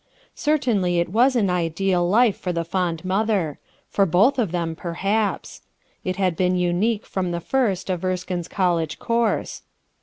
Certainly it was an ideal life for the fond mother; for both of them, perhaps. It had been unique from the first of Erskine's college course.